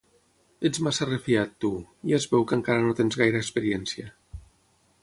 Ets massa refiat, tu: ja es veu que encara no tens gaire experiència.